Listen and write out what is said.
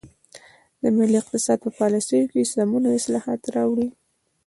د ملي اقتصاد په پالیسیو کې سمون او اصلاحات راوړي.